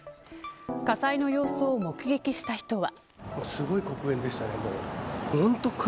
火災の様子を目撃した人は。